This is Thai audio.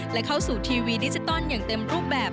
และเข้าสู่ทีวีดิจิตอลอย่างเต็มรูปแบบ